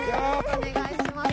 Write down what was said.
お願いします。